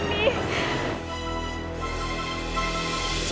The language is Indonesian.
bisa jangan telat ya